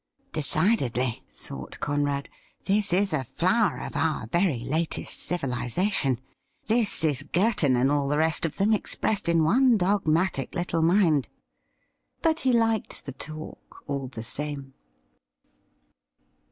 ' Decidedly,'' thought Conrad, ' this is a flower of our very latest civilization. This is Girton and all the rest of them expressed in one dogmatic little mind.' But he liked the talk, all the same.